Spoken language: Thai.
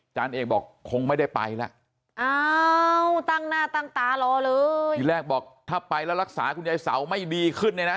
ที่แรกบอกถ้าไปแล้วรักษาคุณผู้ลักษาใหญ่สาวไม่ดีขึ้นเลยนะ